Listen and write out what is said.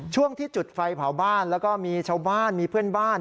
ช่วงที่จุดไฟเผาบ้านแล้วก็มีชาวบ้านมีเพื่อนบ้าน